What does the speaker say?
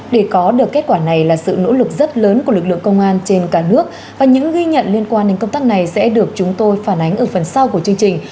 để có được kết quả này là sự nỗ lực rất lớn của lực lượng công an trên cả nước và những ghi nhận liên quan đến công tác này sẽ được chúng tôi phản ánh ở phần sau của chương trình